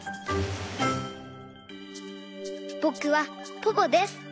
ぼくはポポです。